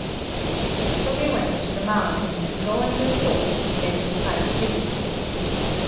So they went to the Mound, and drawing their swords, began to fight furiously.